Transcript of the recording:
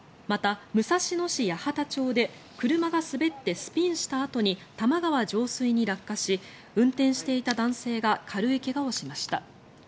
また、武蔵野市八幡町で車が滑ってスピンしたあとに玉川上水に落下し運転していた男性が軽い怪我をしました。